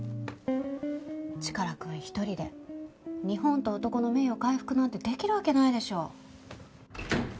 チカラくん一人で日本と男の名誉回復なんてできるわけないでしょ。